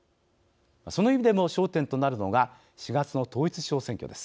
その意味でも、焦点となるのが４月の統一地方選挙です。